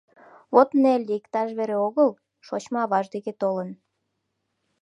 Вет Нелли иктаж вере огыл, шочмо аваж деке толын.